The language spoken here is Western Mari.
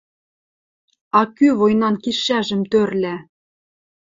А кӱ войнан кишӓжӹм тӧрлӓ?..»